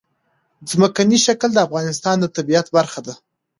ځمکنی شکل د افغانستان د طبیعت برخه ده.